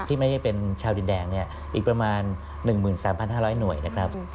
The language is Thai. ที่ไม่ได้เป็นชาวดินแดงเนี่ยอีกประมาณ๑๓๕๐๐หน่วยนะครับ